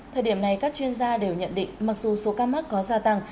thời điểm này các chuyên gia đều nhận định mặc dù số ca mắc có gia tăng